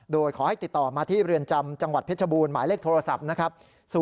โดยขอให้ติดต่อมาที่เรือนจำจังหวัดเพชรบูรณหมายเลขโทรศัพท์นะครับ